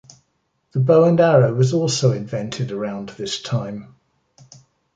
The bow and arrow was also invented around this time.